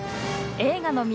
映画の都